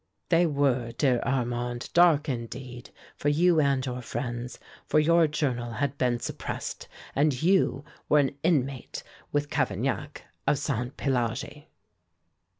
"They were, dear Armand, dark, indeed, for you and your friends, for your journal had been suppressed, and you were an inmate, with Cavaignac, of Sainté Pélagie."